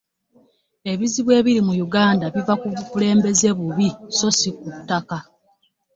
Ebizibu ebiri mu Uganda biva ku bukulembeze bubi so si ku ttaka